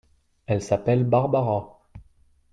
Elle s'appelle Barbara.